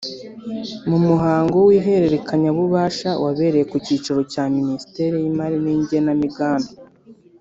mu muhango w’ihererekanyabubasha wabereye ku cyicaro cya Ministeri y’Imari n’Igenamigambi